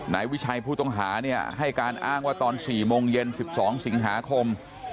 นายวิชัยผู้ต้องหาเนี่ยให้การอ้างว่าตอน๔โมงเย็น๑๒สิงหาคม